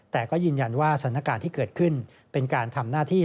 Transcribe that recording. แต่ก็ยืนยันว่าสถานการณ์ที่เกิดขึ้นเป็นการทำหน้าที่